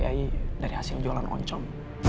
yang dibiayai dari hasil jualan oncom